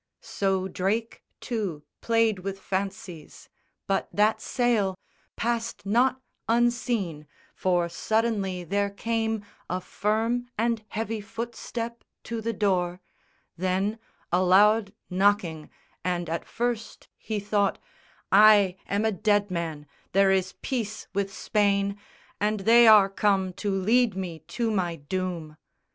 So Drake, too, played with fancies; but that sail Passed not unseen, for suddenly there came A firm and heavy footstep to the door, Then a loud knocking: and, at first, he thought "I am a dead man: there is peace with Spain, And they are come to lead me to my doom."